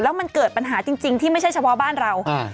แล้วมันเกิดปัญหาจริงที่ไม่ใช่เฉพาะบ้านเรา